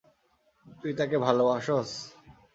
তুই তাকে ভালোবাসছ?